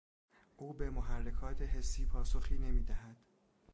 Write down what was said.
او به محرکات حسی پاسخی نمیدهد